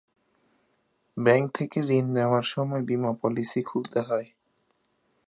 Bank থেকে ঋণ নেওয়ার সময় বিমা পলিসি খুলতে হয়।